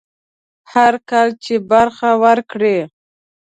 هر کال چې برخه ورکړي.